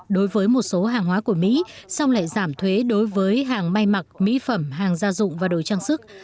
đối với một số hàng hóa của mỹ xong lại giảm thuế đối với hàng may mặc mỹ phẩm hàng gia dụng và đồ trang sức